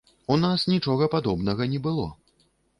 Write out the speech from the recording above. У нас нічога падобнага не было.